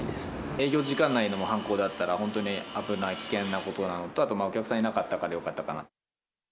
営業時間内の犯行だったら、本当に危ない、危険なことなのと、あとお客さんいなかったからよかったかなと。